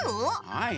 はい。